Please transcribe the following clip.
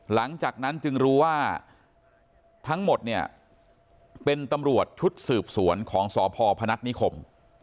หลังจากนั้นจึงรู้ว่าทั้งหมดเนี่ยเป็นตำรวจชุดสืบสวนของสพพนัฐนิคม